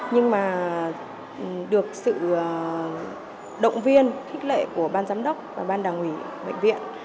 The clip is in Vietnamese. nhưng mà được sự động viên khích lệ của ban giám đốc và ban đảng ủy bệnh viện